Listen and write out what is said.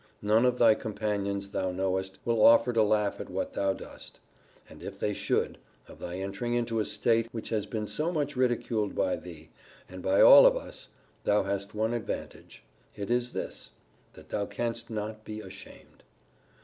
None of thy companions, thou knowest, will offer to laugh at what thou dost. And if they should (of thy entering into a state which has been so much ridiculed by thee, and by all of us) thou hast one advantage it is this, that thou canst not be ashamed.